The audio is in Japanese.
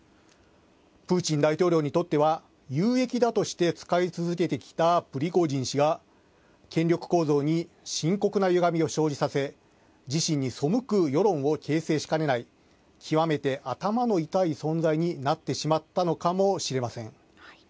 プーチン大統領にとっては有益だとして使い続けてきたプリゴジン氏が権力構造に深刻なゆがみを生じさせ自身に背く世論を形成しかねない極めて頭の痛い存在になってしまったのかもしれません。